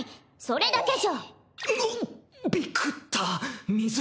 それだけじゃ！